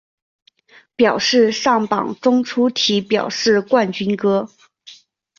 表示上榜中粗体表示冠军歌